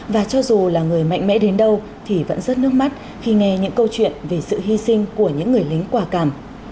và cho dù là người mạnh mẽ đến đâu thì vẫn rớt nước mắt khi nghe những câu chuyện về sự hy sinh của những người lính quả cảm